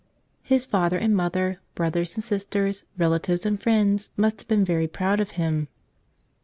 His father and mother, brothers and sisters, relatives and friends, must have been very proud of him.